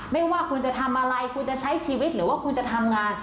ไม่ว่าคุณจะทำอะไรคุณจะใช้ชีวิตหรือว่าคุณจะทำงาน